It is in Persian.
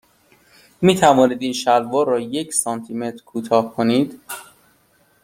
می توانید این شلوار را یک سانتی متر کوتاه کنید؟